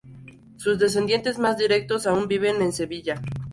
Sus descendientes más directos aún viven en Sevilla.